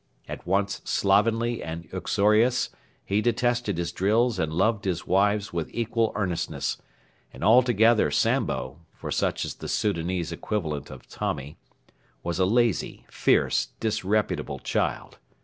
At once slovenly and uxorious, he detested his drills and loved his wives with equal earnestness; and altogether 'Sambo' for such is the Soudanese equivalent of 'Tommy' was a lazy, fierce, disreputable child.